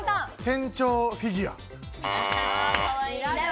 店長フィギュア。